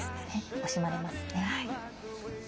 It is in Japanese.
惜しまれますね。